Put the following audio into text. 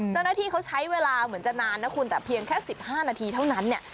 เจ้าหน้าที่เขาใช้เวลาเหมือนจะนานนะคุณแต่เพียงแค่๑๕นาทีเท่านั้นเนี่ย